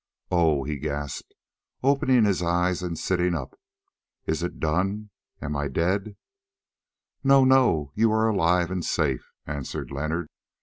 "Oh!" he gasped, opening his eyes and sitting up, "is it done, and am I dead?" "No, no, you are alive and safe," answered Leonard.